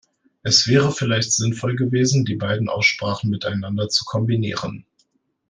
Es wäre vielleicht sinnvoll gewesen, die beiden Aussprachen miteinander zu kombinieren.